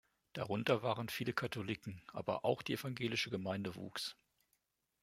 Darunter waren viele Katholiken, aber auch die evangelische Gemeinde wuchs.